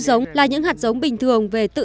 giống là những hạt giống bình thường về tự